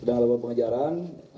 sedang lakukan pengejaran